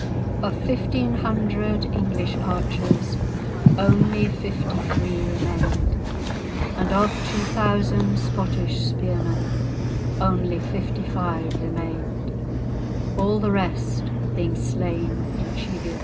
Of fifteen hundred English archers only fifty three remained, and of two thousand Scottish spearmen only fifty five remained, all the rest being slain in Cheviot.